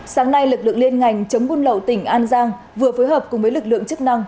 sáng nay lực lượng liên ngành chống buôn lậu tỉnh an giang vừa phối hợp cùng với lực lượng chức năng